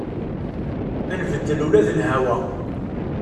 Ad nbeddel ula d lhawa.